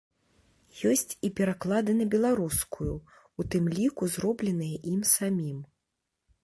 Ёсць і пераклады на беларускую, у тым ліку зробленыя ім самім.